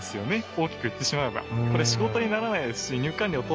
大きく言ってしまえば。